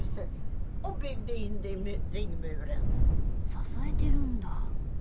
支えてるんだ。